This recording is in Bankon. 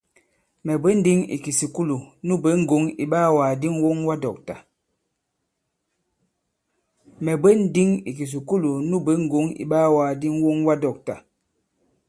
Mɛ̀ bwě ǹndǐŋ ì kìsùkulù nu bwě ŋgɔ̂ŋ iɓaawàgàdi ŋ̀woŋwadɔ̂ktà.